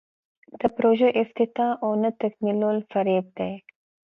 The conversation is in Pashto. د پروژو افتتاح او نه تکمیلول فریب دی.